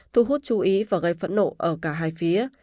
thu hút chú ý và gây phẫn nộ ở cả hai phía